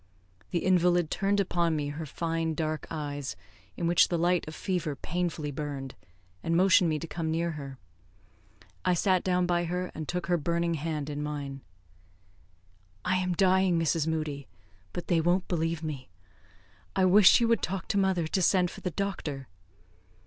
The invalid turned upon me her fine dark eyes, in which the light of fever painfully burned, and motioned me to come near her. I sat down by her, and took her burning hand in mine. "I am dying, Mrs. Moodie, but they won't believe me. I wish you would talk to mother to send for the doctor."